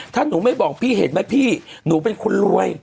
ถ้าหนูไม่บอกพี่เห็นไหมพี่หนูเป็นคนรวย